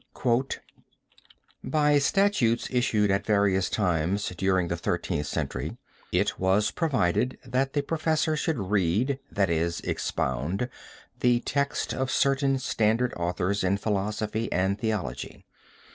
"By statutes issued at various times during the Thirteenth Century it was provided that the professor should read, that is expound, the text of certain standard authors in philosophy and theology.